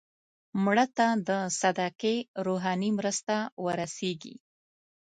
مړه ته د صدقې روحاني مرسته ورسېږي